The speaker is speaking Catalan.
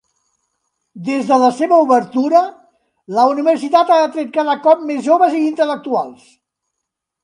Des de la seva obertura, la universitat ha atret cada cop més joves i intel·lectuals.